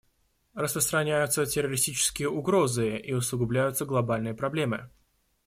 Распространяются террористические угрозы и усугубляются глобальные проблемы.